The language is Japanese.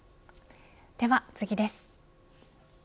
では次です。